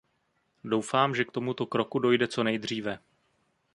Doufám, že k tomuto kroku dojde co nejdříve.